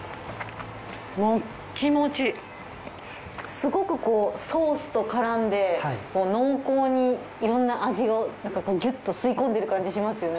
すごくソースとからんで濃厚にいろんな味をギュッと吸い込んでる感じしますよね。